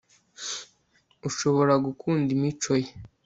ushobora gukunda imico ye